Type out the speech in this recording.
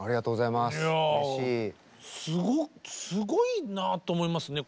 いやすごいなと思いますね。